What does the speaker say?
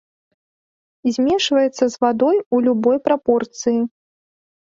Змешваецца з вадой у любой прапорцыі.